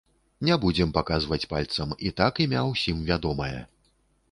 Не будзем паказваць пальцам, і так імя ўсім вядомае.